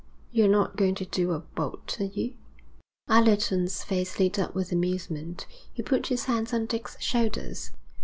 'You're not going to do a bolt, are you?' Allerton's face lit up with amusement. He put his hands on Dick's shoulders.